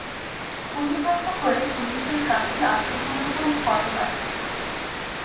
অনুগ্রহ করে পুলিশের কাছে আত্মসমর্পণ করো কার্তিক!